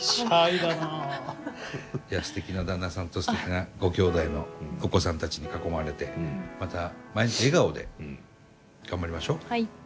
いやすてきな旦那さんとすてきなごきょうだいのお子さんたちに囲まれてまた毎日笑顔で頑張りましょう。